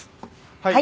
はい。